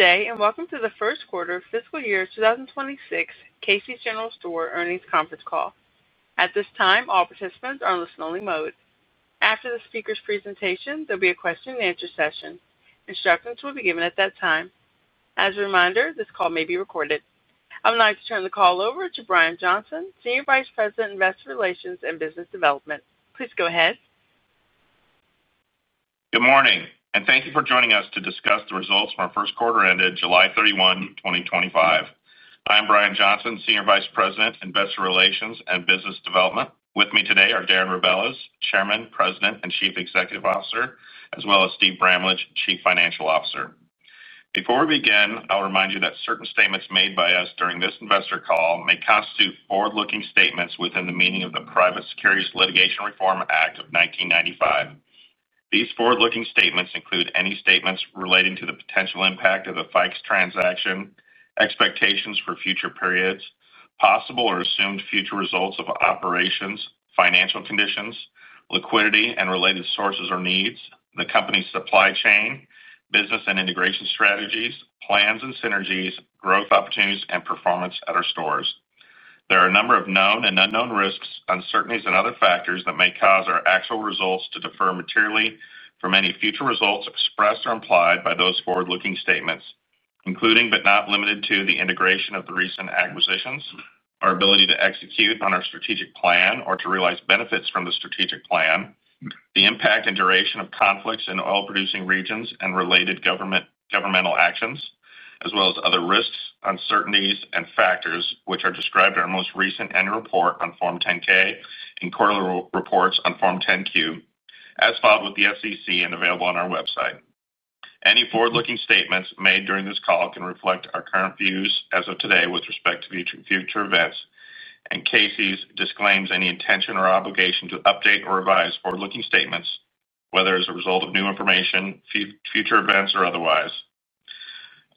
Today, and welcome to the first quarter of fiscal year 2026 Casey's General Stores earnings conference call. At this time, all participants are in listen-only mode. After the speaker's presentation, there will be a question-and-answer session. Instructions will be given at that time. As a reminder, this call may be recorded. I would like to turn the call over to Brian Johnson, Senior Vice President, Investor Relations and Business Development. Please go ahead. Good morning, and thank you for joining us to discuss the results from our first quarter ended July 31, 2025. I am Brian Johnson, Senior Vice President, Investor Relations and Business Development. With me today are Darren Rebelez, Chairman, President, and Chief Executive Officer, as well as Steve Bramlage, Chief Financial Officer. Before we begin, I'll remind you that certain statements made by us during this investor call may constitute forward-looking statements within the meaning of the Private Securities Litigation Reform Act of 1995. These forward-looking statements include any statements relating to the potential impact of the Fikes Wholesale transaction, expectations for future periods, possible or assumed future results of operations, financial conditions, liquidity, and related sources or needs, the company's supply chain, business and integration strategies, plans and synergies, growth opportunities, and performance at our stores. There are a number of known and unknown risks, uncertainties, and other factors that may cause our actual results to differ materially from any future results expressed or implied by those forward-looking statements, including but not limited to the integration of the recent acquisitions, our ability to execute on our strategic plan or to realize benefits from the strategic plan, the impact and duration of conflicts in oil-producing regions and related governmental actions, as well as other risks, uncertainties, and factors which are described in our most recent annual report on Form 10-K and quarterly reports on Form 10-Q, as filed with the SEC and available on our website. Any forward-looking statements made during this call reflect our current views as of today with respect to future events, and Casey's disclaims any intention or obligation to update or revise forward-looking statements, whether as a result of new information, future events, or otherwise.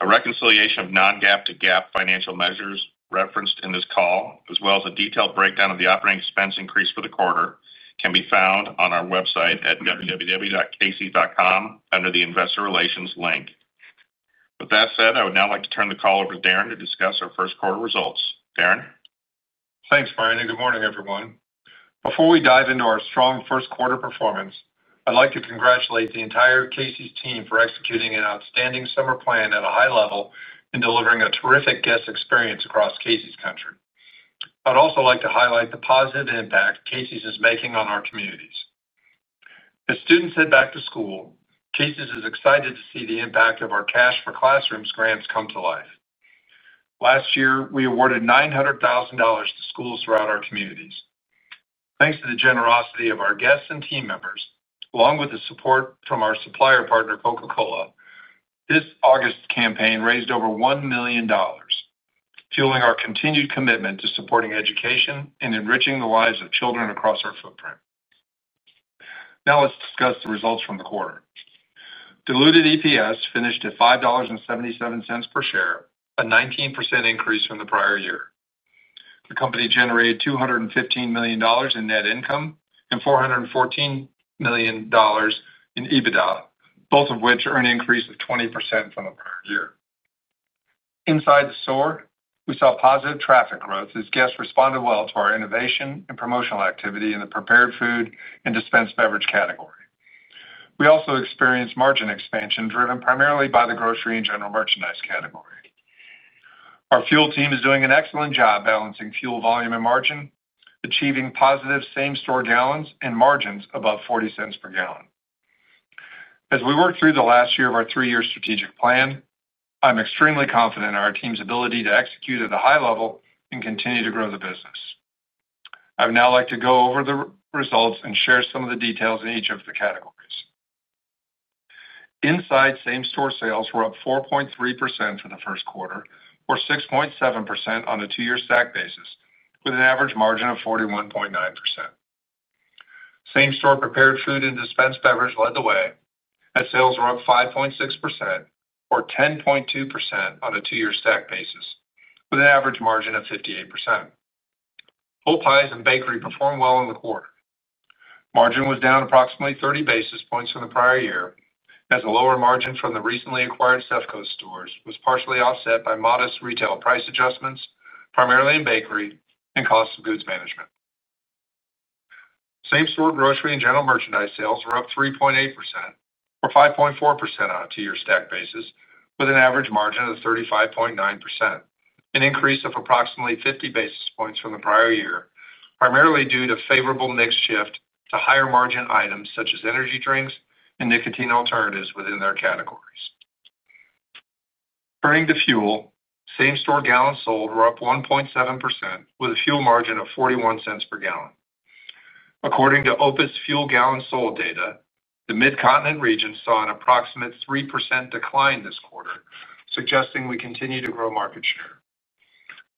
A reconciliation of non-GAAP to GAAP financial measures referenced in this call, as well as a detailed breakdown of the operating expense increase for the quarter, can be found on our website at www.caseys.com under the Investor Relations link. With that said, I would now like to turn the call over to Darren to discuss our first quarter results. Darren. Thanks, Brian, and good morning, everyone. Before we dive into our strong first quarter performance, I'd like to congratulate the entire Casey's team for executing an outstanding summer plan at a high level and delivering a terrific guest experience across Casey's country. I'd also like to highlight the positive impact Casey's is making on our communities. As students head back to school, Casey's is excited to see the impact of our Cash for Classrooms grants come to life. Last year, we awarded $900,000 to schools throughout our communities. Thanks to the generosity of our guests and team members, along with the support from our supplier partner, Coca-Cola, this August's campaign raised over $1 million, fueling our continued commitment to supporting education and enriching the lives of children across our footprint. Now let's discuss the results from the quarter. Diluted EPS finished at $5.77 per share, a 19% increase from the prior year. The company generated $215 million in net income and $414 million in EBITDA, both of which are an increase of 20% from the prior year. Inside the store, we saw positive traffic growth as guests responded well to our innovation and promotional activity in the prepared food and dispensed beverage category. We also experienced margin expansion driven primarily by the grocery and general merchandise category. Our fuel team is doing an excellent job balancing fuel volume and margin, achieving positive same-store gallons and margins above $0.40 per gallon. As we work through the last year of our three-year strategic plan, I'm extremely confident in our team's ability to execute at a high level and continue to grow the business. I would now like to go over the results and share some of the details in each of the categories. Inside same-store sales, we're up 4.3% for the first quarter, or 6.7% on a two-year stack basis, with an average margin of 41.9%. Same-store prepared food and dispensed beverage led the way, as sales were up 5.6%, or 10.2% on a two-year stack basis, with an average margin of 58%. Pizza and bakery performed well in the quarter. Margin was down approximately 30 basis points from the prior year, as a lower margin from the recently acquired SEFCO stores was partially offset by modest retail price adjustments, primarily in bakery and cost of goods management. Same-store grocery and general merchandise sales were up 3.8%, or 5.4% on a two-year stack basis, with an average margin of 35.9%, an increase of approximately 50 basis points from the prior year, primarily due to favorable mix shift to higher margin items such as energy drinks and nicotine alternatives within their categories. Turning to fuel, same-store gallons sold were up 1.7%, with a fuel margin of $0.41 per gallon. According to OPIS fuel gallon sold data, the Mid-Continent region saw an approximate 3% decline this quarter, suggesting we continue to grow market share.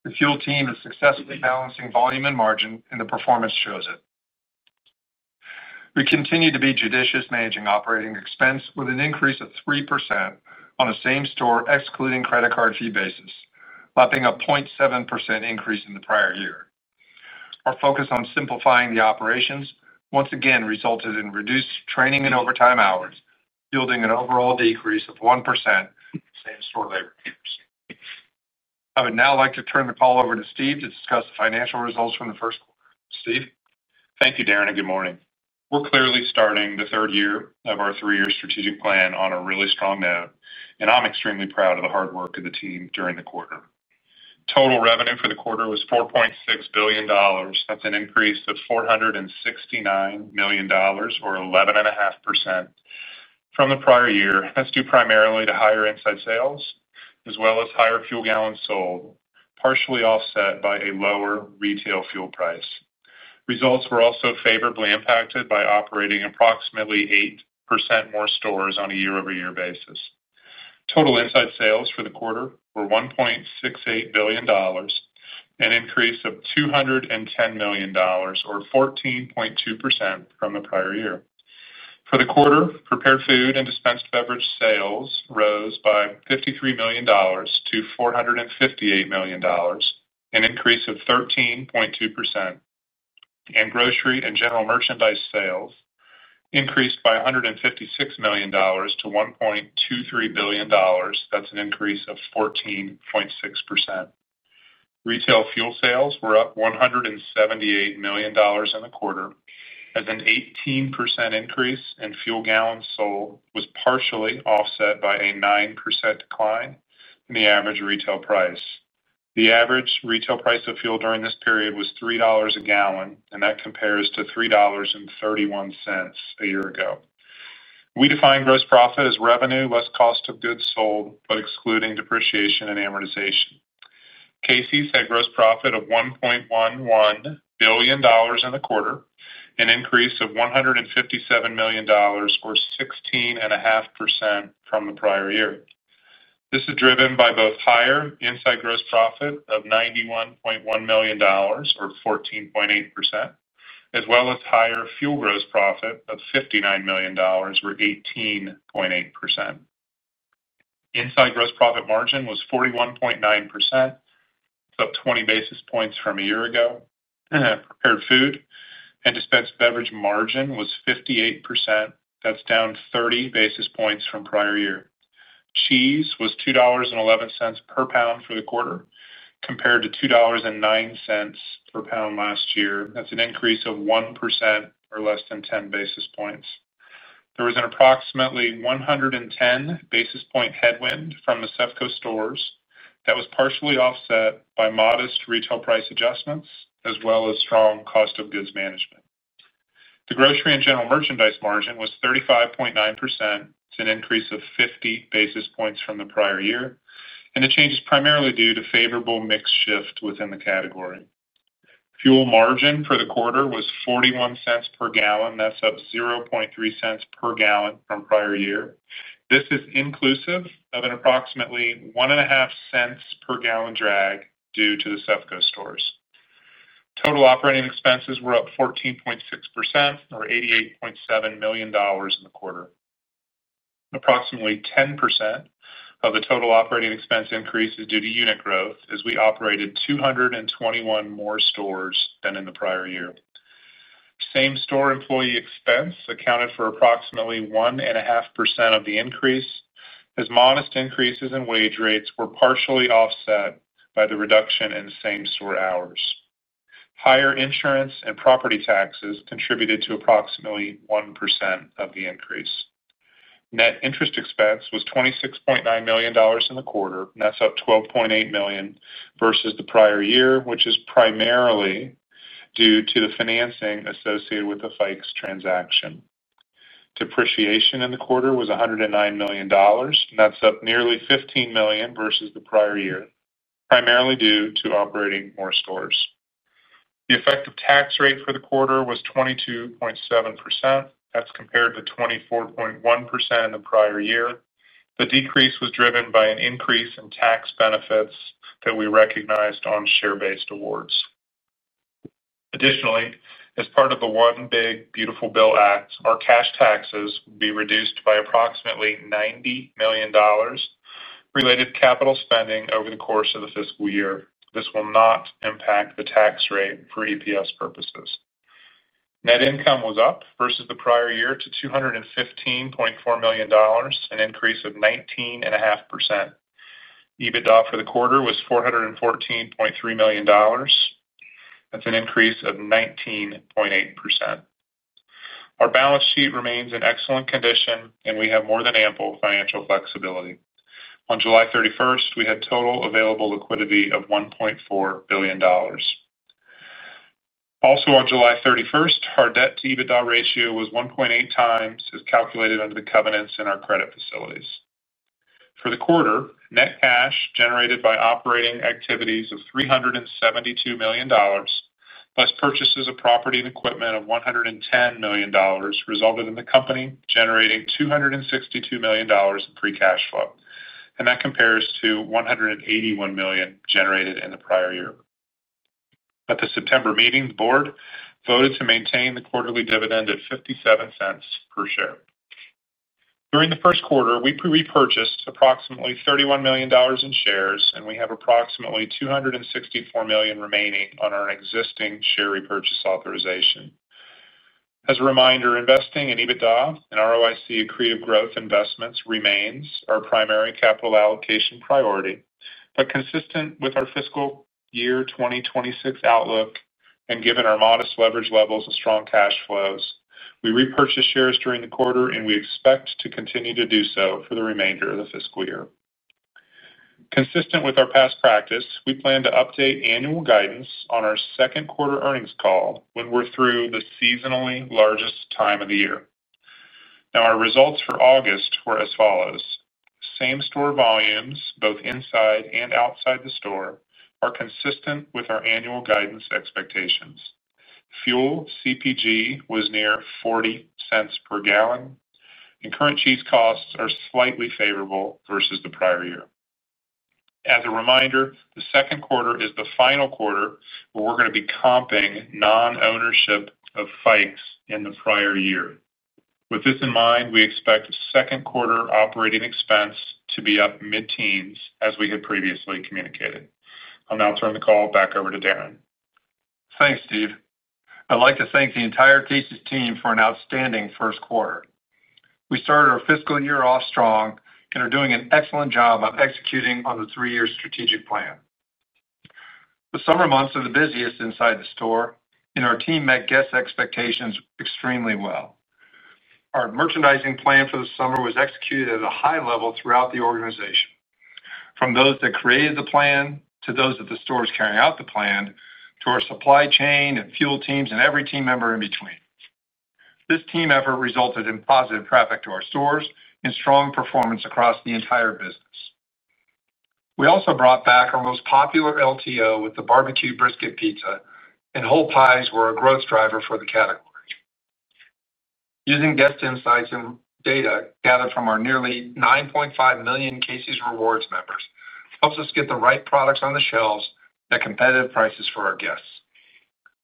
The fuel team is successfully balancing volume and margin, and the performance shows it. We continue to be judicious managing operating expense with an increase of 3% on a same-store excluding credit card fee basis, lapping a 0.7% increase in the prior year. Our focus on simplifying the operations once again resulted in reduced training and overtime hours, yielding an overall decrease of 1% same-store labor. I would now like to turn the call over to Steve to discuss the financial results from the first quarter. Steve, thank you, Darren, and good morning. We're clearly starting the third year of our three-year strategic plan on a really strong note, and I'm extremely proud of the hard work of the team during the quarter. Total revenue for the quarter was $4.6 billion. That's an increase of $469 million, or 11.5% from the prior year. That's due primarily to higher inside sales, as well as higher fuel gallons sold, partially offset by a lower retail fuel price. Results were also favorably impacted by operating approximately 8% more stores on a year-over-year basis. Total inside sales for the quarter were $1.68 billion, an increase of $210 million, or 14.2% from the prior year. For the quarter, prepared food and dispensed beverage sales rose by $53 million to $458 million, an increase of 13.2%, and grocery and general merchandise sales increased by $156 million to $1.23 billion. That's an increase of 14.6%. Retail fuel sales were up $178 million in the quarter, as an 18% increase in fuel gallons sold was partially offset by a 9% decline in the average retail price. The average retail price of fuel during this period was $3.00 a gallon, and that compares to $3.31 a year ago. We define gross profit as revenue less cost of goods sold, but excluding depreciation and amortization. Casey's had gross profit of $1.11 billion in the quarter, an increase of $157 million, or 16.5% from the prior year. This is driven by both higher inside gross profit of $91.1 million, or 14.8%, as well as higher fuel gross profit of $59 million, or 18.8%. Inside gross profit margin was 41.9%, up 20 basis points from a year ago, and prepared food and dispensed beverage margin was 58%. That's down 30 basis points from prior year. Cheese was $2.11 per pound for the quarter, compared to $2.09 per pound last year. That's an increase of 1% or less than 10 basis points. There was an approximately 110 basis point headwind from the SEFCO stores that was partially offset by modest retail price adjustments, as well as strong cost of goods management. The grocery and general merchandise margin was 35.9%, an increase of 50 basis points from the prior year, and the change is primarily due to favorable mixed shift within the category. Fuel margin for the quarter was $0.41 per gallon. That's up $0.003 per gallon from prior year. This is inclusive of an approximately $0.015 per gallon drag due to the SEFCO stores. Total operating expenses were up 14.6%, or $88.7 million in the quarter. Approximately 10% of the total operating expense increase is due to unit growth, as we operated 221 more stores than in the prior year. Same-store employee expense accounted for approximately 1.5% of the increase, as modest increases in wage rates were partially offset by the reduction in same-store hours. Higher insurance and property taxes contributed to approximately 1% of the increase. Net interest expense was $26.9 million in the quarter. That's up $12.8 million versus the prior year, which is primarily due to the financing associated with the Fikes Wholesale transaction. Depreciation in the quarter was $109 million. That's up nearly $15 million versus the prior year, primarily due to operating more stores. The effective tax rate for the quarter was 22.7%. That's compared to 24.1% in the prior year. The decrease was driven by an increase in tax benefits that we recognized on share-based awards. Additionally, as part of the One Big Beautiful Bill Act, our cash taxes will be reduced by approximately $90 million related to capital spending over the course of the fiscal year. This will not impact the tax rate for EPS purposes. Net income was up versus the prior year to $215.4 million, an increase of 19.5%. EBITDA for the quarter was $414.3 million. That's an increase of 19.8%. Our balance sheet remains in excellent condition, and we have more than ample financial flexibility. On July 31, we had total available liquidity of $1.4 billion. Also, on July 31, our debt-to-EBITDA ratio was 1.8 times as calculated under the covenants in our credit facilities. For the quarter, net cash generated by operating activities was $372 million, plus purchases of property and equipment of $110 million, resulted in the company generating $262 million in free cash flow, and that compares to $181 million generated in the prior year. At the September meeting, the board voted to maintain the quarterly dividend at $0.57 per share. During the first quarter, we repurchased approximately $31 million in shares, and we have approximately $264 million remaining on our existing share repurchase authorization. As a reminder, investing in EBITDA and ROIC-accretive growth investments remains our primary capital allocation priority, but consistent with our fiscal year 2026 outlook, and given our modest leverage levels of strong cash flows, we repurchased shares during the quarter, and we expect to continue to do so for the remainder of the fiscal year. Consistent with our past practice, we plan to update annual guidance on our second quarter earnings call when we're through the seasonally largest time of the year. Our results for August were as follows: same-store volumes, both inside and outside the store, are consistent with our annual guidance expectations. Fuel CPG was near $0.40 per gallon, and current cheese costs are slightly favorable versus the prior year. As a reminder, the second quarter is the final quarter where we're going to be comping non-ownership of Fikes in the prior year. With this in mind, we expect the second quarter operating expense to be up mid-teens, as we had previously communicated. I'll now turn the call back over to Darren. Thanks, Steve. I'd like to thank the entire Casey's team for an outstanding first quarter. We started our fiscal year off strong and are doing an excellent job of executing on the three-year strategic plan. The summer months are the busiest inside the store, and our team met guest expectations extremely well. Our merchandising plan for the summer was executed at a high level throughout the organization, from those that created the plan to those at the stores carrying out the plan, to our supply chain and fuel teams, and every team member in between. This team effort resulted in positive traffic to our stores and strong performance across the entire business. We also brought back our most popular LTO with the barbecue brisket pizza, and whole pies were a growth driver for the category. Using guest insights and data gathered from our nearly 9.5 million Casey's Rewards members helped us get the right products on the shelves at competitive prices for our guests.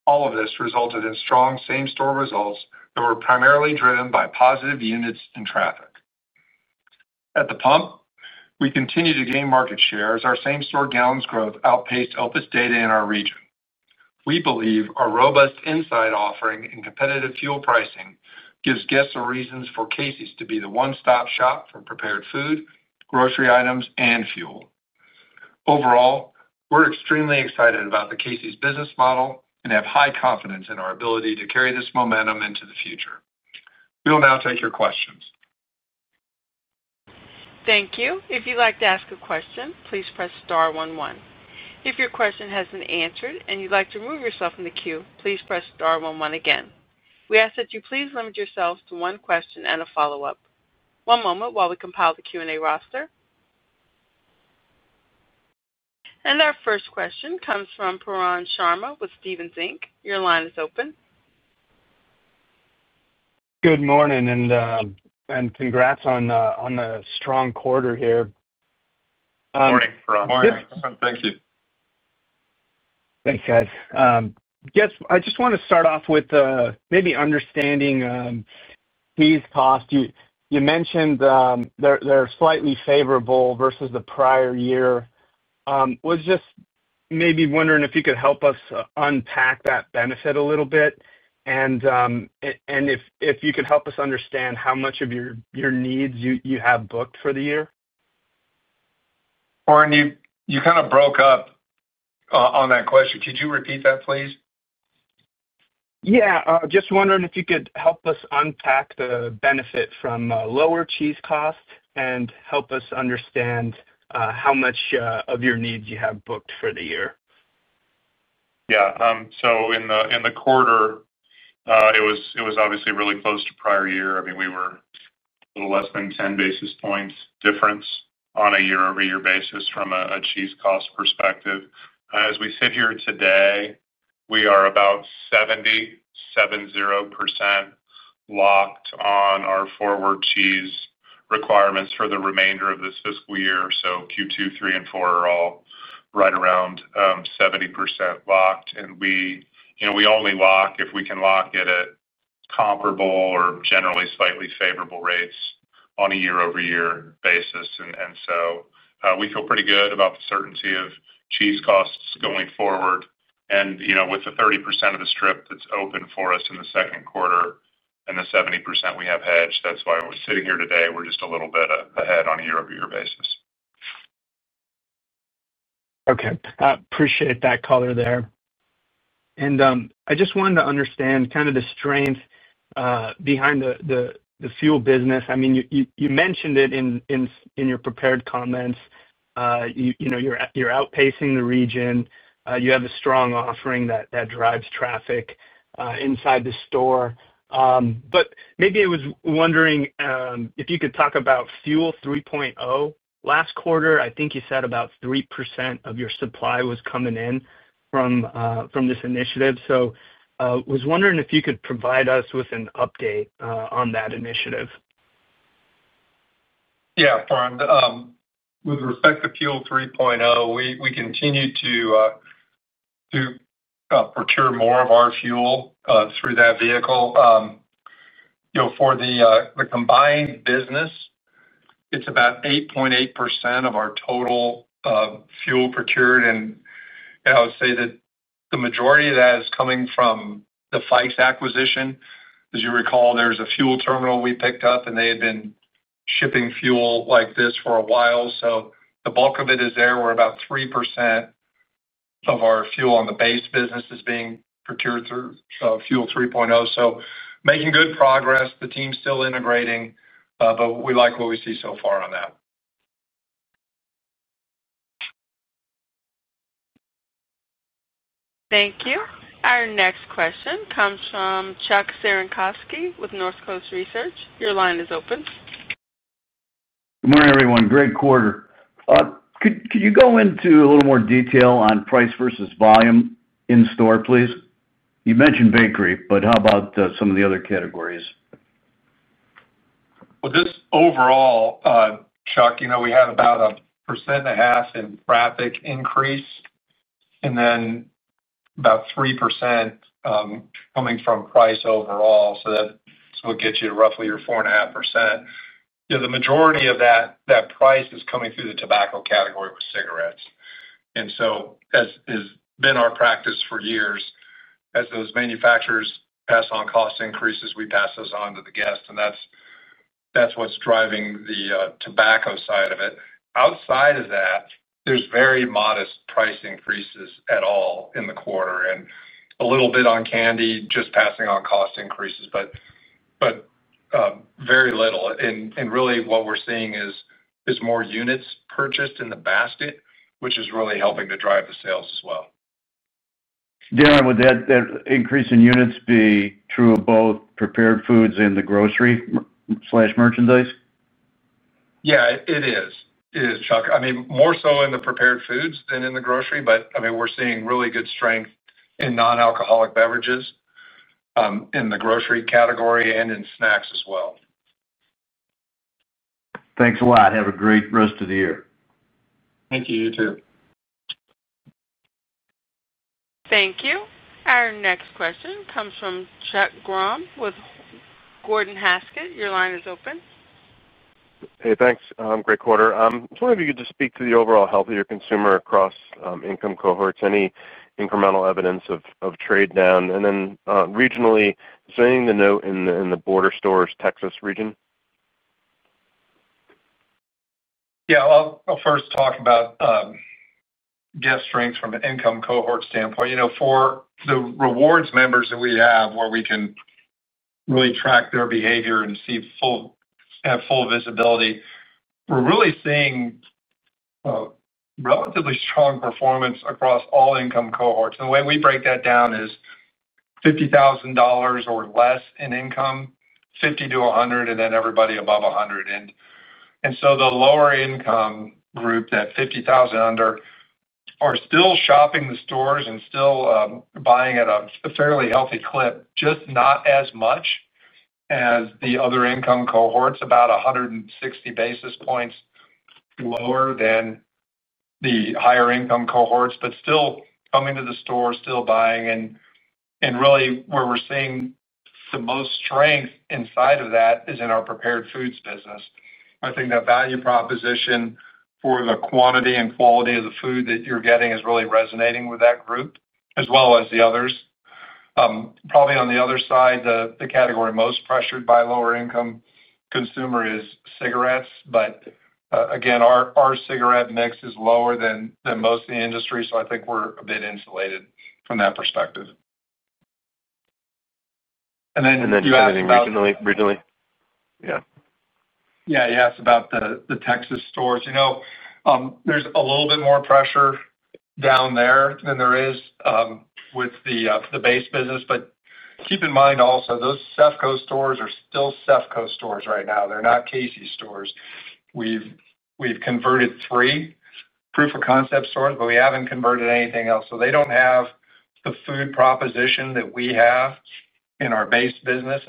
All of this resulted in strong same-store results that were primarily driven by positive units and traffic. At the pump, we continue to gain market share as our same-store gallons growth outpaced Opus data in our region. We believe our robust inside offering and competitive fuel pricing give guests reasons for Casey's to be the one-stop shop for prepared food, grocery items, and fuel. Overall, we're extremely excited about the Casey's business model and have high confidence in our ability to carry this momentum into the future. We'll now take your questions. Thank you. If you'd like to ask a question, please press star-1-1. If your question has been answered and you'd like to remove yourself from the queue, please press star-1-1 again. We ask that you please limit yourselves to one question and a follow-up. One moment while we compile the Q&A roster. Our first question comes from Pooran Sharma with Stephens Inc. Your line is open. Good morning, and congrats on a strong quarter here. Morning, Paran. Yes, thank you. Thanks, guys. I just want to start off with maybe understanding fees cost. You mentioned they're slightly favorable versus the prior year. I was just maybe wondering if you could help us unpack that benefit a little bit, and if you could help us understand how much of your needs you have booked for the year. Pooran, you kind of broke up on that question. Could you repeat that, please? Yeah, just wondering if you could help us unpack the benefit from lower cheese cost and help us understand how much of your needs you have booked for the year. Yeah. In the quarter, it was obviously really close to prior year. I mean, we were a little less than 10 basis points difference on a year-over-year basis from a cheese cost perspective. As we sit here today, we are about 70% locked on our forward cheese requirements for the remainder of this fiscal year. Q2, three, and four are all right around 70% locked. We only lock if we can lock it at comparable or generally slightly favorable rates on a year-over-year basis. We feel pretty good about the certainty of cheese costs going forward. With the 30% of the strip that's open for us in the second quarter and the 70% we have hedged, that's why we're sitting here today. We're just a little bit ahead on a year-over-year basis. Okay. Appreciate that caller there. I just wanted to understand kind of the strength behind the fuel business. You mentioned it in your prepared comments. You know you're outpacing the region. You have a strong offering that drives traffic inside the store. Maybe I was wondering if you could talk about Fuel 3.0. Last quarter, I think you said about 3% of your supply was coming in from this initiative. I was wondering if you could provide us with an update on that initiative. Yeah, Faran. With respect to Fuel 3.0, we continue to procure more of our fuel through that vehicle. For the combined business, it's about 8.8% of our total fuel procured. I would say that the majority of that is coming from the Fikes Wholesale acquisition. As you recall, there's a fuel terminal we picked up, and they had been shipping fuel like this for a while. The bulk of it is there. We're about 3% of our fuel on the base business being procured through Fuel 3.0. Making good progress. The team's still integrating, but we like what we see so far on that. Thank you. Our next question comes from Charles Cerankosky with Northcoast Research Partners. Your line is open. Good morning, everyone. Greg Korder. Could you go into a little more detail on price versus volume in-store, please? You mentioned bakery, but how about some of the other categories? Overall, Chuck, you know we had about a 1.5% traffic increase, and then about 3% coming from price overall. That will get you roughly your 4.5%. The majority of that price is coming through the tobacco category with cigarettes. As has been our practice for years, as those manufacturers pass on cost increases, we pass those on to the guests. That's what's driving the tobacco side of it. Outside of that, there's very modest price increases at all in the quarter, and a little bit on candy, just passing on cost increases, but very little. What we're seeing is more units purchased in the basket, which is really helping to drive the sales as well. Darren, would that increase in units be true of both prepared food and the grocery/merchandise? Yeah, it is. It is, Chuck. I mean, more so in the prepared food than in the grocery, but I mean, we're seeing really good strength in non-alcoholic beverages in the grocery category and in snacks as well. Thanks a lot. Have a great rest of the year. Thank you. You too. Thank you. Our next question comes from Charles Grom with Gordon Haskett Research Advisors, your line is open. Hey, thanks, Greg Korder. I'm just wondering if you could just speak to the overall health of your consumer across income cohorts. Any incremental evidence of trade down? Regionally, is there anything to note in the border stores, Texas region? Yeah, I'll first talk about guest strengths from an income cohort standpoint. For the Casey's Rewards members that we have, where we can really track their behavior and have full visibility, we're really seeing relatively strong performance across all income cohorts. The way we break that down is $50,000 or less in income, $50,000 to $100,000, and then everybody above $100,000. The lower income group, that $50,000 and under, are still shopping the stores and still buying at a fairly healthy clip, just not as much as the other income cohorts, about 160 basis points lower than the higher income cohorts, but still coming to the store, still buying. Really, where we're seeing the most strength inside of that is in our prepared food and dispensed beverages business. I think that value proposition or the quantity and quality of the food that you're getting is really resonating with that group as well as the others. Probably on the other side, the category most pressured by lower income consumers is cigarettes, but again, our cigarette mix is lower than most of the industry. I think we're a bit insulated from that perspective. Then you asked about. Do you have anything regionally? Yeah, you asked about the Texas stores. You know, there's a little bit more pressure down there than there is with the base business. Keep in mind also, those SEFCO stores are still SEFCO stores right now. They're not Casey's stores. We've converted three proof-of-concept stores, but we haven't converted anything else. They don't have the food proposition that we have in our base business.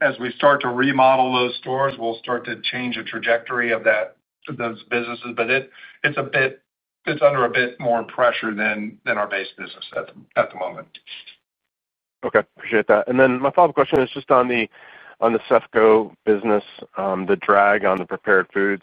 As we start to remodel those stores, we'll start to change the trajectory of those businesses. It's under a bit more pressure than our base business at the moment. Okay. Appreciate that. My follow-up question is just on the SEFCO business, the drag on the prepared food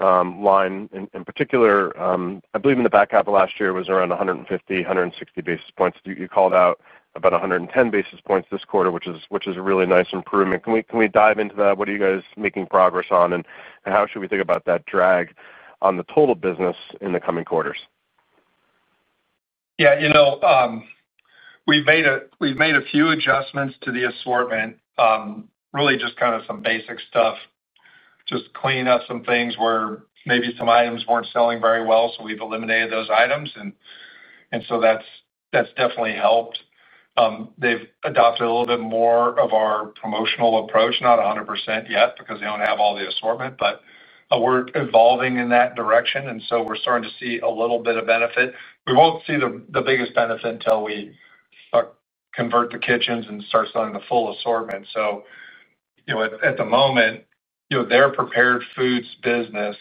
line in particular. I believe in the back half of last year, it was around 150, 160 basis points. You called out about 110 basis points this quarter, which is a really nice improvement. Can we dive into that? What are you guys making progress on, and how should we think about that drag on the total business in the coming quarters? Yeah, you know we've made a few adjustments to the assortment, really just kind of some basic stuff, just cleaning up some things where maybe some items weren't selling very well. We've eliminated those items, and that's definitely helped. They've adopted a little bit more of our promotional approach, not 100% yet because they don't have all the assortment, but we're evolving in that direction. We're starting to see a little bit of benefit. We won't see the biggest benefit until we start converting the kitchens and start selling the full assortment. At the moment, their prepared food business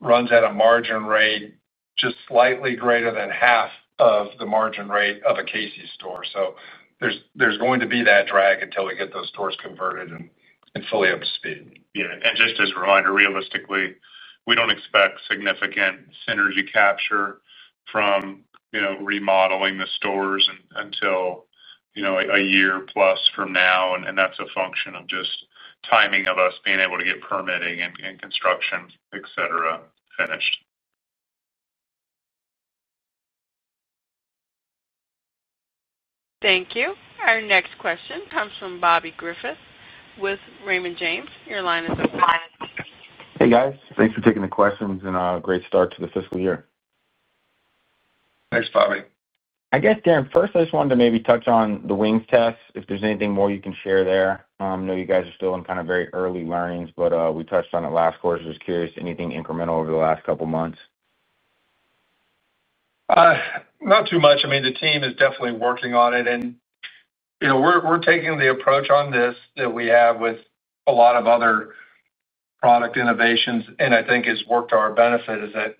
runs at a margin rate just slightly greater than half of the margin rate of a Casey's store. There's going to be that drag until we get those stores converted and fully up to speed. Just as a reminder, realistically, we don't expect significant synergy capture from remodeling the stores until a year plus from now. That's a function of timing of us being able to get permitting and construction, etc., finished. Thank you. Our next question comes from Robert Griffin with Raymond James, your line is open. Hey, guys. Thanks for taking the questions and a great start to the fiscal year. Thanks, Bobby. I guess, Darren, first, I just wanted to maybe touch on the wings test if there's anything more you can share there. I know you guys are still in kind of very early learnings, but we touched on it last quarter. I was just curious, anything incremental over the last couple of months? Not too much. The team is definitely working on it. You know we're taking the approach on this that we have with a lot of other product innovations. I think it's worked to our benefit, as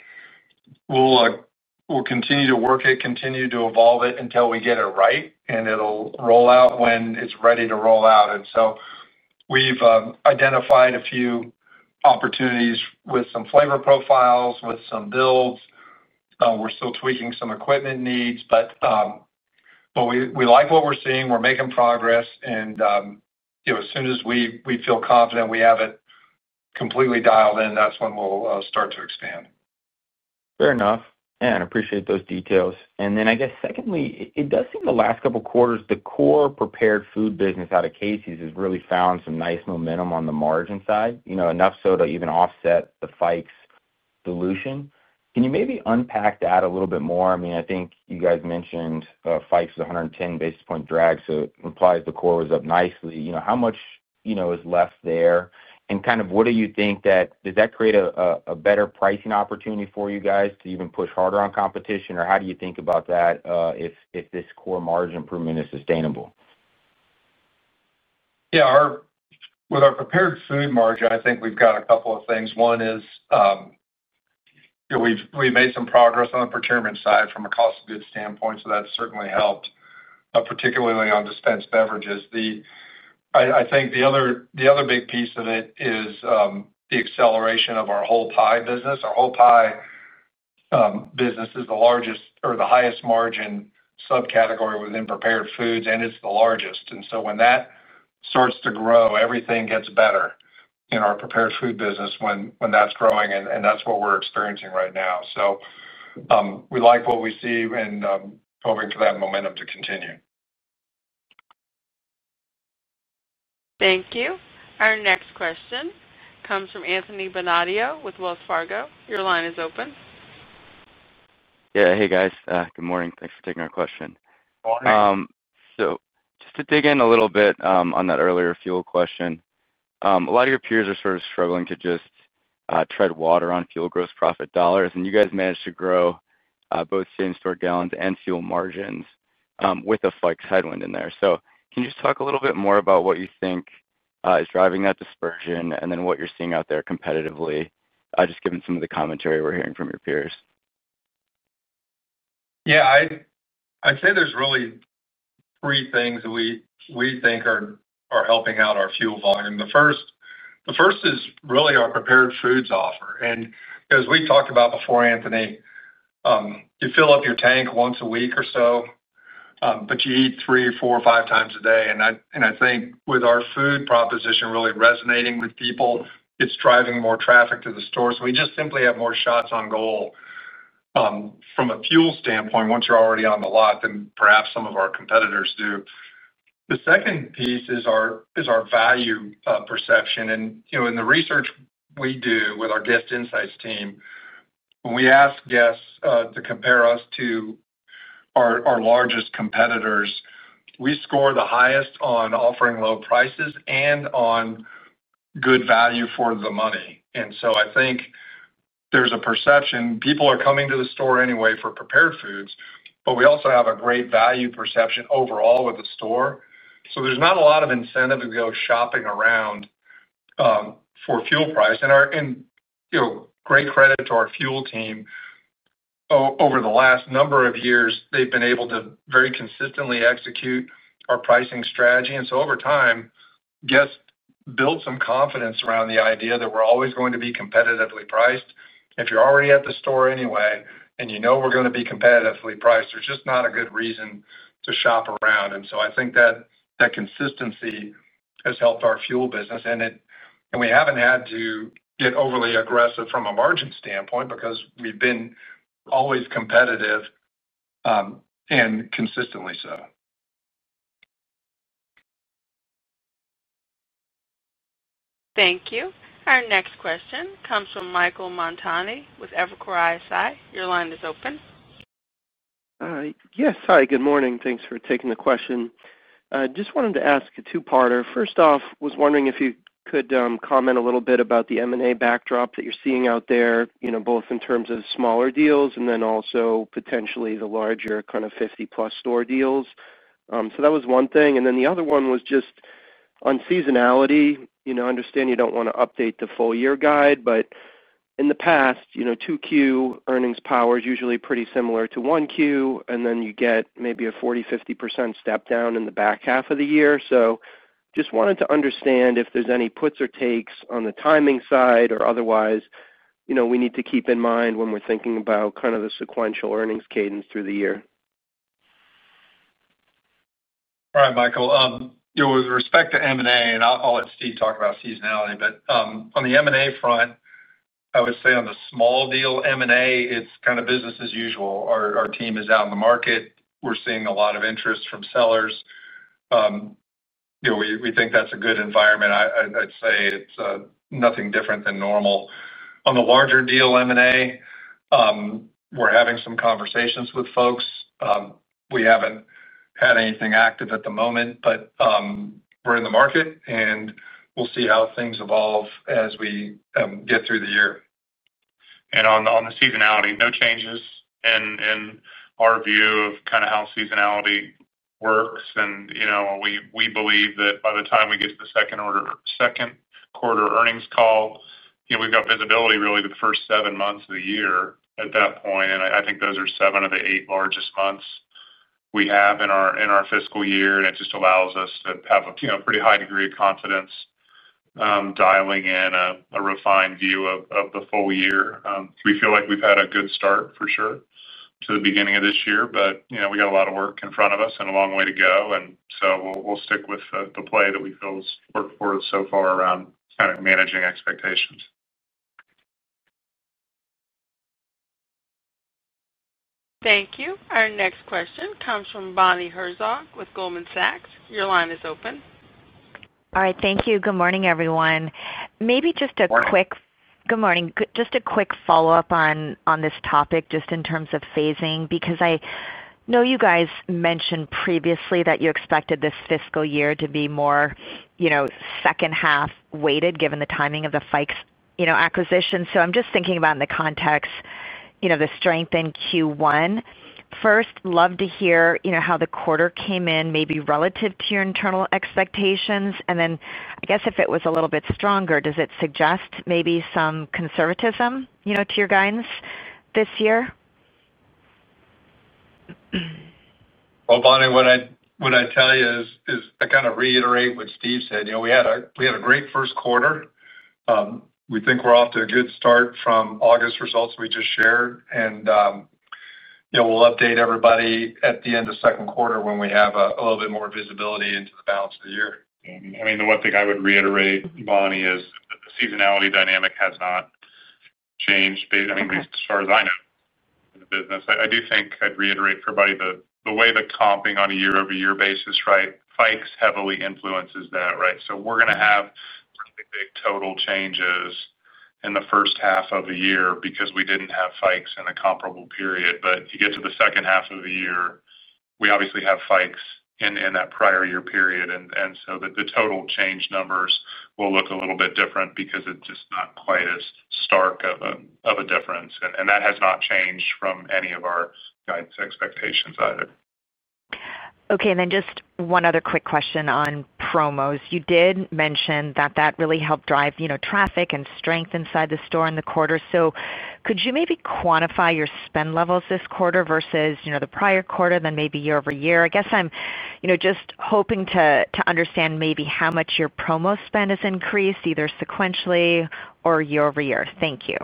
we'll continue to work it, continue to evolve it until we get it right, and it'll roll out when it's ready to roll out. We have identified a few opportunities with some flavor profiles, with some builds. We're still tweaking some equipment needs, but we like what we're seeing. We're making progress. As soon as we feel confident we have it completely dialed in, that's when we'll start to expand. Fair enough. Yeah, I appreciate those details. I guess secondly, it does seem the last couple of quarters, the core prepared food business out of Casey's has really found some nice momentum on the margin side, enough so to even offset the Fikes' dilution. Can you maybe unpack that a little bit more? I mean, I think you guys mentioned Fikes was a 110 basis point drag, so it implies the core was up nicely. How much is left there? What do you think, does that create a better pricing opportunity for you guys to even push harder on competition? How do you think about that if this core margin improvement is sustainable? Yeah, with our prepared food margin, I think we've got a couple of things. One is, you know, we've made some progress on the procurement side from a cost of goods standpoint. That's certainly helped, particularly on dispensed beverages. I think the other big piece of it is the acceleration of our whole pie business. Our whole pie business is the highest margin subcategory within prepared foods, and it's the largest. When that starts to grow, everything gets better in our prepared food business when that's growing, and that's what we're experiencing right now. We like what we see and hoping for that momentum to continue. Thank you. Our next question comes from Anthony Bonadio with Wells Fargo Securities. Your line is open. Yeah. Hey, guys. Good morning. Thanks for taking our question. Morning. Just to dig in a little bit on that earlier fuel question, a lot of your peers are sort of struggling to just tread water on fuel gross profit dollars. You guys managed to grow both same-store gallons and fuel margins with a Fikes headwind in there. Can you just talk a little bit more about what you think is driving that dispersion, and then what you're seeing out there competitively, just given some of the commentary we're hearing from your peers? Yeah, I'd say there's really three things that we think are helping out our fuel volume. The first is really our prepared foods offer. As we talked about before, Anthony, you fill up your tank once a week or so, but you eat three, four, five times a day. I think with our food proposition really resonating with people, it's driving more traffic to the store. We just simply have more shots on goal from a fuel standpoint once you're already on the lot than perhaps some of our competitors do. The second piece is our value perception. In the research we do with our guest insights team, when we ask guests to compare us to our largest competitors, we score the highest on offering low prices and on good value for the money. I think there's a perception people are coming to the store anyway for prepared foods, but we also have a great value perception overall with the store. There's not a lot of incentive to go shopping around for fuel price. Great credit to our fuel team. Over the last number of years, they've been able to very consistently execute our pricing strategy. Over time, guests built some confidence around the idea that we're always going to be competitively priced. If you're already at the store anyway and you know we're going to be competitively priced, there's just not a good reason to shop around. I think that consistency has helped our fuel business. We haven't had to get overly aggressive from a margin standpoint because we've been always competitive and consistently so. Thank you. Our next question comes from Michael Montani with Evercore ISI. Your line is open. Yes. Hi. Good morning. Thanks for taking the question. I just wanted to ask a two-parter. First off, I was wondering if you could comment a little bit about the M&A backdrop that you're seeing out there, you know, both in terms of smaller deals and then also potentially the larger kind of 50-plus store deals. That was one thing. The other one was just on seasonality. I understand you don't want to update the full-year guide, but in the past, you know, 2Q earnings power is usually pretty similar to 1Q, and then you get maybe a 40% to 50% step down in the back half of the year. Just wanted to understand if there's any puts or takes on the timing side or otherwise, you know, we need to keep in mind when we're thinking about kind of the sequential earnings cadence through the year. All right, Michael. With respect to M&A, I'll let Steve talk about seasonality, but on the M&A front, I would say on the small deal M&A, it's kind of business as usual. Our team is out in the market. We're seeing a lot of interest from sellers. We think that's a good environment. I'd say it's nothing different than normal. On the larger deal M&A, we're having some conversations with folks. We haven't had anything active at the moment, but we're in the market, and we'll see how things evolve as we get through the year. On the seasonality, no changes in our view of how seasonality works. We believe that by the time we get to the second quarter earnings call, we've got visibility really the first seven months of the year at that point. I think those are seven of the eight largest months we have in our fiscal year, and it just allows us to have a pretty high degree of confidence dialing in a refined view of the full year. We feel like we've had a good start for sure to the beginning of this year, but we've got a lot of work in front of us and a long way to go. We'll stick with the play that we feel has worked for us so far around managing expectations. Thank you. Our next question comes from Bonnie Herzog with Goldman Sachs. Your line is open. All right. Thank you. Good morning, everyone. Maybe just a quick. Morning. Good morning. Just a quick follow-up on this topic in terms of phasing because I know you guys mentioned previously that you expected this fiscal year to be more second-half weighted given the timing of the Fikes Wholesale acquisition. I'm just thinking about it in the context of the strength in Q1. First, love to hear how the quarter came in, maybe relative to your internal expectations. If it was a little bit stronger, does it suggest maybe some conservatism to your guidance this year? Bonnie, what I tell you is I kind of reiterate what Steve said. You know, we had a great first quarter. We think we're off to a good start from August results we just shared, and you know, we'll update everybody at the end of the second quarter when we have a little bit more visibility into the balance of the year. I mean, the one thing I would reiterate, Bonnie, is the seasonality dynamic has not changed. I mean, as far as I know in the business, I do think I'd reiterate for everybody the way the comping on a year-over-year basis, right, Fikes heavily influences that, right? We are going to have pretty big total changes in the first half of the year because we didn't have Fikes in a comparable period. You get to the second half of the year, we obviously have Fikes in that prior year period. The total change numbers will look a little bit different because it's just not quite as stark of a difference. That has not changed from any of our guidance expectations either. Okay. Just one other quick question on promos. You did mention that that really helped drive traffic and strength inside the store in the quarter. Could you maybe quantify your spend levels this quarter versus the prior quarter, then maybe year-over-year? I guess I'm just hoping to understand maybe how much your promo spend has increased, either sequentially or year-over-year. Thank you.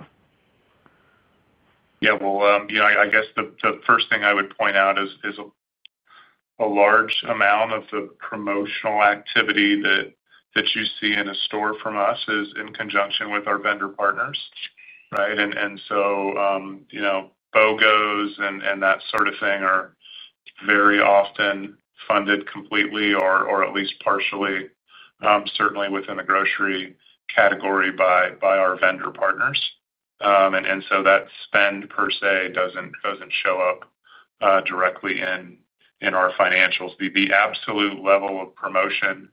Yeah. I guess the first thing I would point out is a large amount of the promotional activity that you see in a store from us is in conjunction with our vendor partners, right? You know, BOGOs and that sort of thing are very often funded completely or at least partially, certainly within the grocery category, by our vendor partners. That spend per se doesn't show up directly in our financials. The absolute level of promotion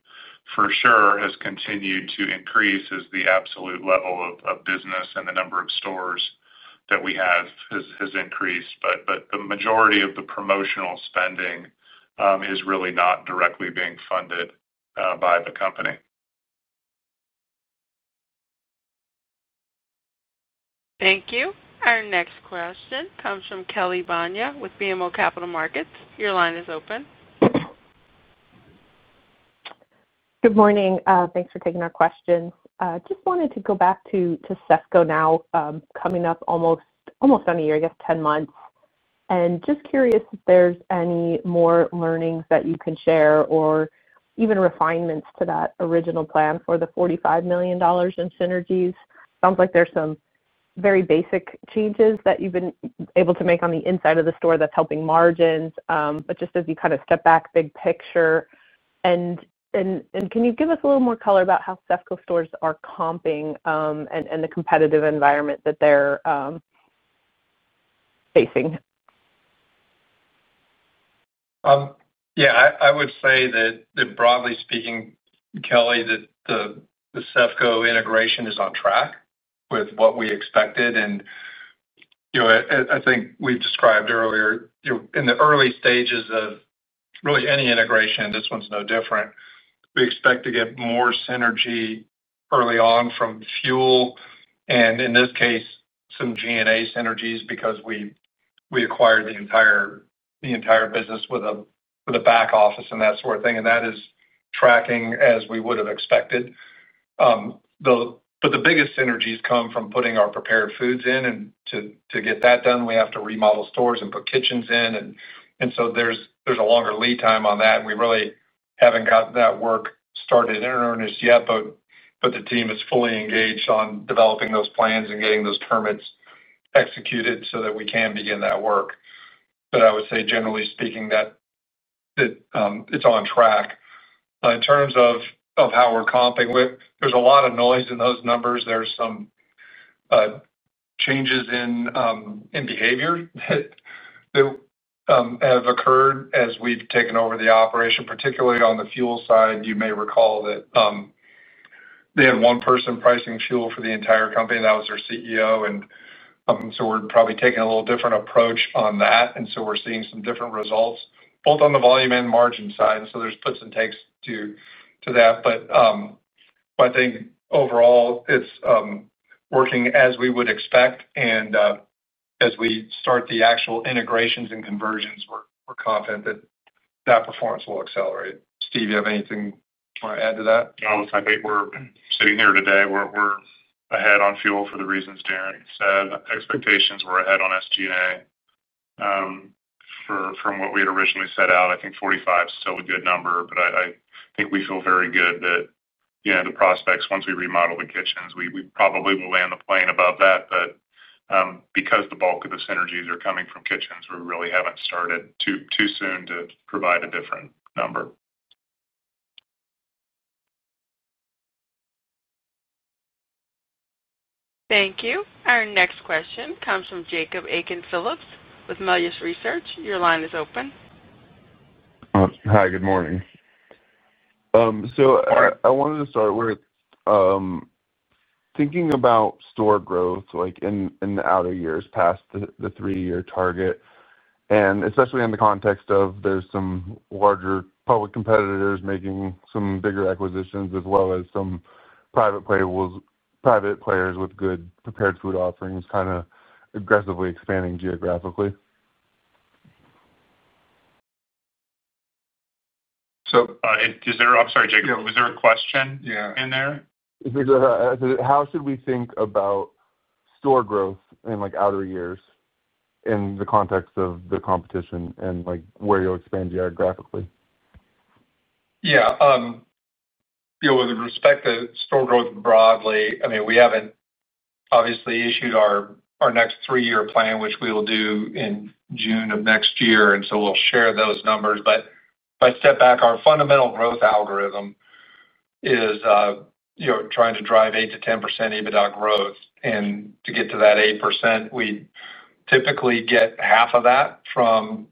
for sure has continued to increase as the absolute level of business and the number of stores that we have has increased. The majority of the promotional spending is really not directly being funded by the company. Thank you. Our next question comes from Kelly Bania with BMO Capital Markets. Your line is open. Good morning. Thanks for taking our questions. I just wanted to go back to SEFCO now, coming up almost on a year, I guess 10 months, and just curious if there's any more learnings that you can share or even refinements to that original plan for the $45 million in synergies. It sounds like there's some very basic changes that you've been able to make on the inside of the store that's helping margins, just as you kind of step back big picture. Can you give us a little more color about how SEFCO stores are comping and the competitive environment that they're facing? Yeah. I would say that, broadly speaking, Kelly, that the SEFCO integration is on track with what we expected. I think we described earlier, in the early stages of really any integration, this one's no different. We expect to get more synergy early on from fuel and, in this case, some G&A synergies because we acquired the entire business with a back office and that sort of thing. That is tracking as we would have expected. The biggest synergies come from putting our prepared foods in, and to get that done, we have to remodel stores and put kitchens in. There is a longer lead time on that. We really haven't got that work started in earnest yet, but the team is fully engaged on developing those plans and getting those permits executed so that we can begin that work. I would say, generally speaking, that it's on track. In terms of how we're comping with, there's a lot of noise in those numbers. There are some changes in behavior that have occurred as we've taken over the operation, particularly on the fuel side. You may recall that they had one person pricing fuel for the entire company. That was their CEO. We're probably taking a little different approach on that. We're seeing some different results both on the volume and margin side. There are puts and takes to that. I think overall, it's working as we would expect. As we start the actual integrations and conversions, we're confident that that performance will accelerate. Steve, do you have anything you want to add to that? I think we're getting here today. We're ahead on fuel for the reasons Darren said. Expectations were ahead on SG&A from what we had originally set out. I think 45 is still a good number, but I think we feel very good that, you know, the prospects, once we remodel the kitchens, we probably will land the plane above that. Because the bulk of the synergies are coming from kitchens, we really haven't started too soon to provide a different number. Thank you. Our next question comes from Jacob Aiken-Phillips with Melius Research. Your line is open. Good morning. I wanted to start with thinking about store growth in the outer years past the three-year target, especially in the context of there are some larger public competitors making some bigger acquisitions as well as some private players with good prepared food offerings kind of aggressively expanding geographically. I'm sorry, Jacob, was there a question in there? How should we think about store growth in like outer years in the context of the competition and where you'll expand geographically? Yeah. With respect to store growth broadly, I mean, we haven't obviously issued our next three-year plan, which we will do in June of next year, and we'll share those numbers. If I step back, our fundamental growth algorithm is trying to drive 8 to 10% EBITDA growth. To get to that 8%, we typically get half of that from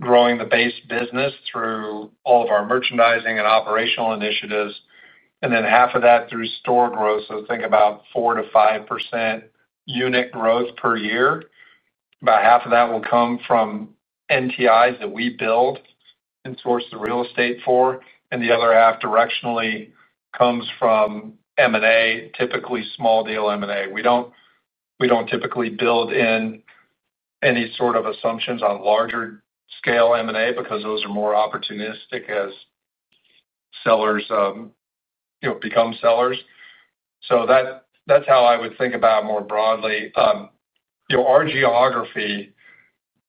growing the base business through all of our merchandising and operational initiatives, and then half of that through store growth. Think about 4 to 5% unit growth per year. About half of that will come from NTIs that we build and source the real estate for, and the other half directionally comes from M&A, typically small deal M&A. We don't typically build in any sort of assumptions on larger scale M&A because those are more opportunistic as sellers become sellers. That's how I would think about it more broadly. Our geography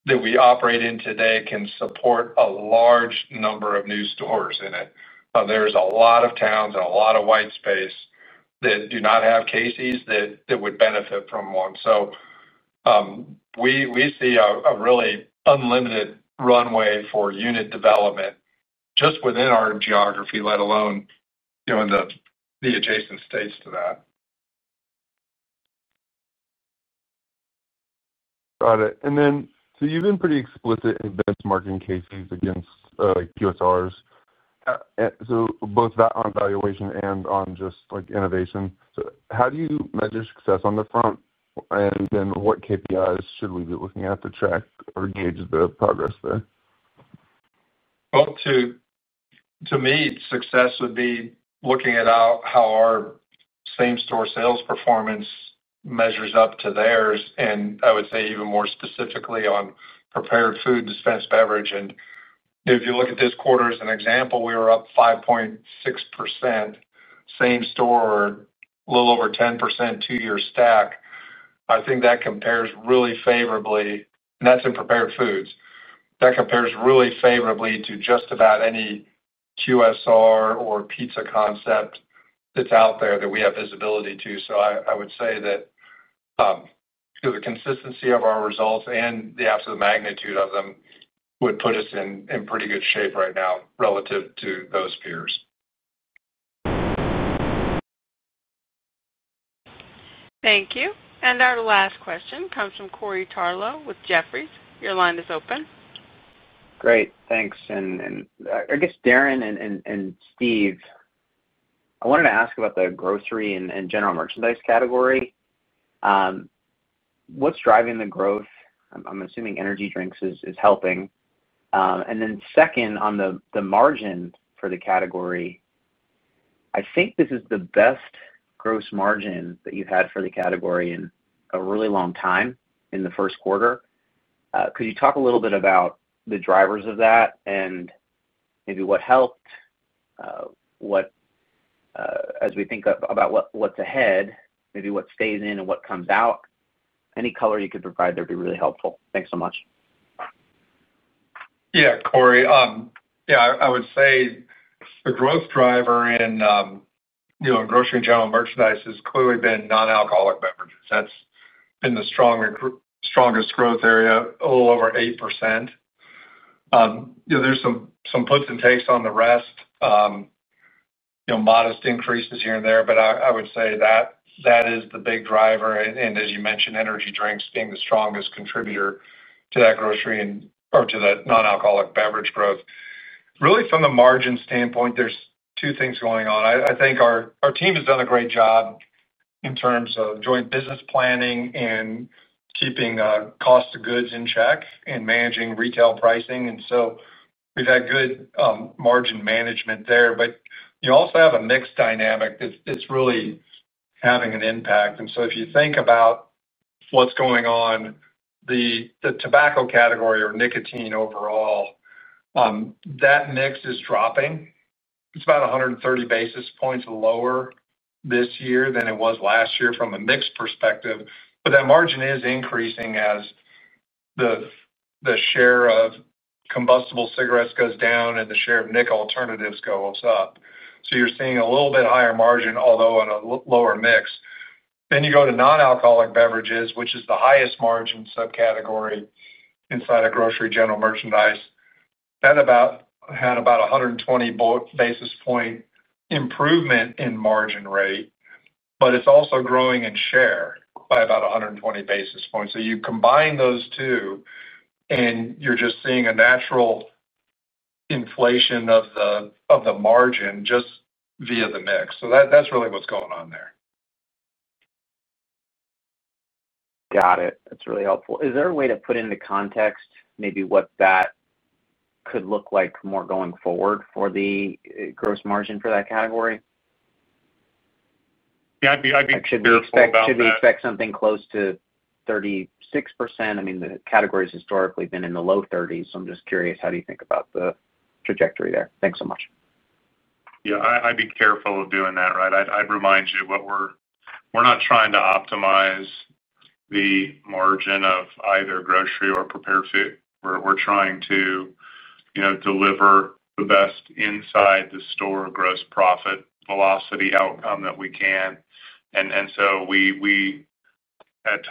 that we operate in today can support a large number of new stores in it. There's a lot of towns and a lot of white space that do not have Casey's that would benefit from one. We see a really unlimited runway for unit development just within our geography, let alone in the adjacent states to that. Got it. You've been pretty explicit in benchmarking Casey's against QSRs, both on valuation and on innovation. How do you measure success on the front, and what KPIs should we be looking at to track or gauge the progress there? To me, success would be looking at how our same-store sales performance measures up to theirs. I would say even more specifically on prepared foods, dispensed beverage. If you look at this quarter as an example, we were up 5.6% same-store or a little over 10% two-year stack. I think that compares really favorably, and that's in prepared foods. That compares really favorably to just about any QSR or pizza concept that's out there that we have visibility to. I would say that the consistency of our results and the absolute magnitude of them would put us in pretty good shape right now relative to those peers. Thank you. Our last question comes from Corey Tarlow with Jefferies. Your line is open. Great. Thanks. I guess, Darren and Steve, I wanted to ask about the grocery and general merchandise category. What's driving the growth? I'm assuming energy drinks is helping. On the margin for the category, I think this is the best gross margin that you've had for the category in a really long time in the first quarter. Could you talk a little bit about the drivers of that and maybe what helped? As we think about what's ahead, maybe what stays in and what comes out, any color you could provide, that would be really helpful. Thanks so much. Yeah, Corey. I would say the growth driver in grocery and general merchandise has clearly been non-alcoholic beverages. That's been the strongest growth area, a little over 8%. There's some puts and takes on the rest, modest increases here and there, but I would say that is the big driver. As you mentioned, energy drinks being the strongest contributor to that grocery and to the non-alcoholic beverage growth. Really, from a margin standpoint, there are two things going on. I think our team has done a great job in terms of joint business planning and keeping the cost of goods in check and managing retail pricing. We've had good margin management there. You also have a mix dynamic that's really having an impact. If you think about what's going on, the tobacco category or nicotine overall, that mix is dropping. It's about 130 basis points lower this year than it was last year from a mix perspective. That margin is increasing as the share of combustible cigarettes goes down and the share of nicotine alternatives goes up. You're seeing a little bit higher margin, although in a lower mix. You go to non-alcoholic beverages, which is the highest margin subcategory inside of grocery and general merchandise. That had about a 120 basis point improvement in margin rate, but it's also growing in share by about 120 basis points. You combine those two, and you're just seeing a natural inflation of the margin via the mix. That's really what's going on there. Got it. That's really helpful. Is there a way to put into context maybe what that could look like more going forward for the gross margin for that category? Yeah, I'd be curious about that. Should we expect something close to 36%? I mean, the category has historically been in the low 30%. I'm just curious, how do you think about the trajectory there? Thanks so much. Yeah, I'd be careful of doing that, right? I'd remind you we're not trying to optimize the margin of either grocery or prepared food. We're trying to deliver the best inside the store gross profit velocity outcome that we can. At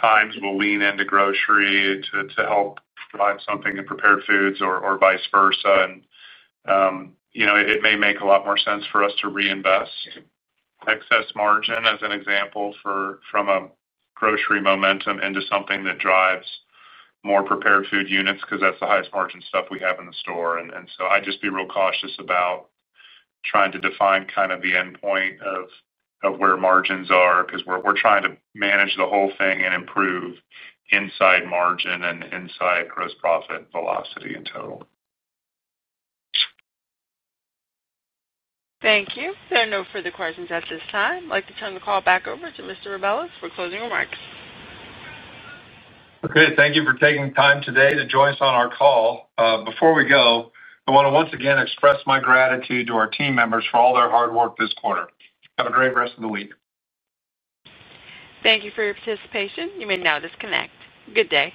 times, we will lean into grocery to help drive something in prepared foods or vice versa. It may make a lot more sense for us to reinvest excess margin, as an example, from a grocery momentum into something that drives more prepared food units because that's the highest margin stuff we have in the store. I'd just be real cautious about trying to define kind of the endpoint of where margins are because we're trying to manage the whole thing and improve inside margin and inside gross profit velocity in total. Thank you. There are no further questions at this time. I'd like to turn the call back over to Mr. Rebelez for closing remarks. Okay. Thank you for taking the time today to join us on our call. Before we go, I want to once again express my gratitude to our team members for all their hard work this quarter. Have a great rest of the week. Thank you for your participation. You may now disconnect. Good day.